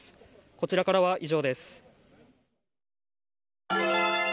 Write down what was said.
こちらからは以上です。